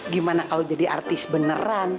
gimana kalau jadi artis beneran